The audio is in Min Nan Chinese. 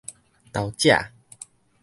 投者